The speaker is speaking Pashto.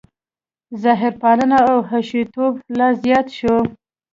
ظاهرپالنه او حشویتوب لا زیات شو.